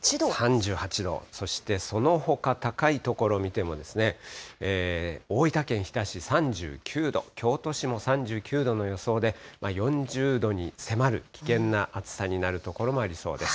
３８度、そしてそのほか高い所見てもですね、大分県日田市３９度、京都市も３９度の予想で、４０度に迫る危険な暑さになる所もありそうです。